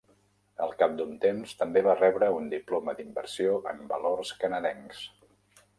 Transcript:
Al cap d'un temps també va rebre un diploma d'inversió en valors canadencs.